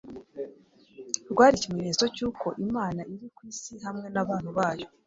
rwari ikimenyetso cy’uko Imana iri ku isi hamwe n’abantu bayo.